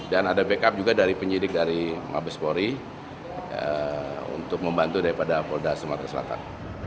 dan ada backup juga dari penyidik dari mabespori untuk membantu daripada polda sumatera selatan